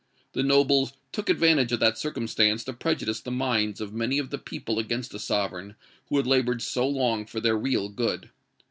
The nobles took advantage of that circumstance to prejudice the minds of many of the people against the sovereign who had laboured so long for their real good.